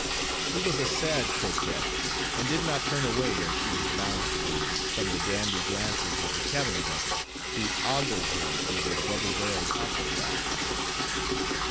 She was a sad coquette; and did not turn away, as she was bound to do, from the dandy glances of the cabin bucks, who ogled her through their double barreled opera glasses.